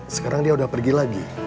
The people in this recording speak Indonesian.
sekarang dia udah pergi lagi